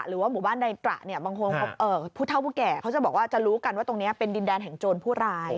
หรือว่าหมู่บ้านใดตระเนี่ยบางคนผู้เท่าผู้แก่เขาจะบอกว่าจะรู้กันว่าตรงนี้เป็นดินแดนแห่งโจรผู้ร้าย